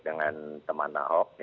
dengan teman ahok